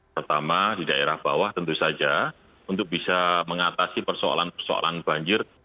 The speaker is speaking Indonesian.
pertama di daerah bawah tentu saja untuk bisa mengatasi persoalan persoalan banjir